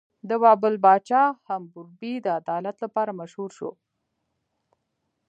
د بابل پاچا حموربي د عدالت لپاره مشهور شو.